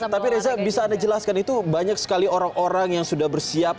tapi reza bisa anda jelaskan itu banyak sekali orang orang yang sudah bersiap